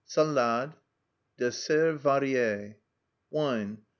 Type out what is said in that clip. Salade. Desserts varies. WINE.